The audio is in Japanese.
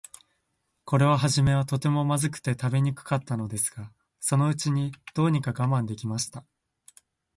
これははじめは、とても、まずくて食べにくかったのですが、そのうちに、どうにか我慢できました。